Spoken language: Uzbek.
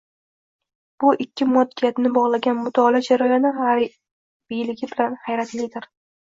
bu ikki moddiyatni bog‘lagan mutolaa jarayoni g‘aybiyligi bilan hayratlidir.